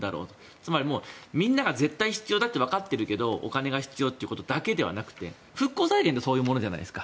つまりみんなが絶対必要だってわかっているけどお金が必要ということだけではなくて復興財源ってそういうものじゃないですか。